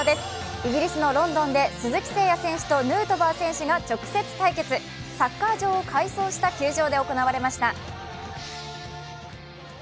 イギリスのロンドンで鈴木誠也選手とヌートバー選手が直接対決、サッカー場を改装した球場で行われました。